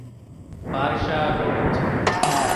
ފާރިޝާއަށް ރޮވިއްޖެ